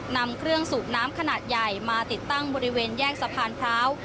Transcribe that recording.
นำเครื่องสูบน้ำขนาดใหญ่มาติดตั้งบริเวณแยกสะพานพร้าว